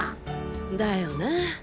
だよな。